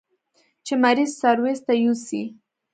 چې مريض سرويس ته يوسي.